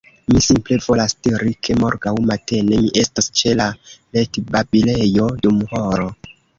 Mi simple volas diri ke morgaŭ matene mi estos ĉe la retbabilejo dum horo